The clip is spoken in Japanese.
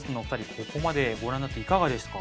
ここまでご覧になっていかがでしたか？